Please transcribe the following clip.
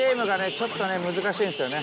ちょっとね難しいんですよね。